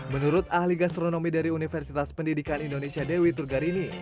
menurut ahli gastronomi dari universitas pendidikan indonesia dewi turgarini